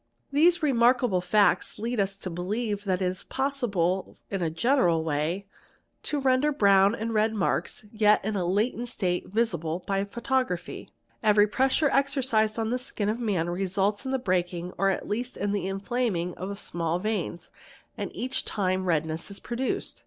These remarkable facts lead us to believe that it is possible in a general way to render brown and red marks yet in a latent state visible — by photography. very pressure exercised on the skin of a man results in the breaking or at least in the inflaming of the small veins, and — each time redness is produced.